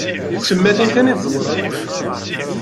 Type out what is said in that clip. Di tecmatin kan i tẓewrem.